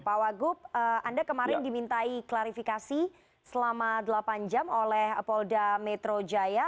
pak wagup anda kemarin dimintai klarifikasi selama delapan jam oleh polda metro jaya